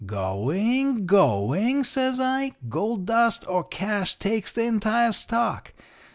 "'Going! Going!' says I. 'Gold dust or cash takes the entire stock.